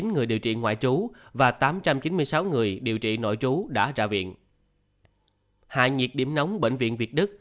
năm trăm linh chín người điều trị ngoại trú và tám trăm chín mươi sáu người điều trị nội trú đã ra viện